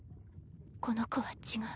この子は違う。